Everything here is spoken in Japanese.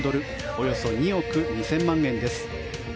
およそ２億２０００万円です。